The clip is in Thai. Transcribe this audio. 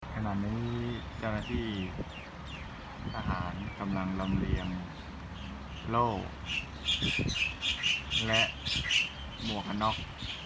ขณะนี้เจ้าหน้าที่ทหารกำลังลำเลียงโรคและหมวกกันน็อก